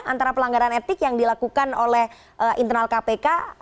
antara pelanggaran etik yang dilakukan oleh internal kpk